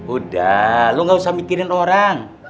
udah lo gak usah mikirin orang